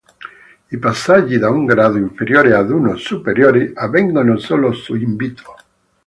I passaggi da un grado inferiore ad uno superiore avvengono solo su invito.